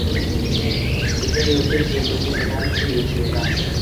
Biznes yuritish reytingini ko'tarish-bu yechim emas